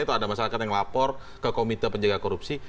atau ada masyarakat yang lapor ke komite penjaga korupsi